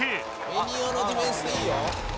ベニオのディフェンスいいよ！